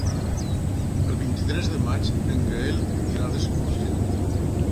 El vint-i-tres de maig en Gaël irà d'excursió.